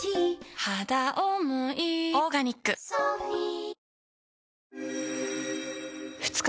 「はだおもいオーガニック」それビール？